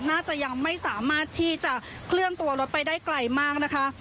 น่าจะยังไม่สามารถที่จะเคลื่อนตัวรถไปได้ไกลมากนะคะ